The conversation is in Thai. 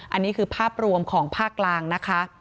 อันนี้คือภาพรวมของภาคกลางนะคะ